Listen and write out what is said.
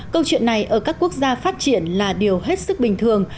câu chuyện này ở các quốc gia phát triển là điều hết sức bình thường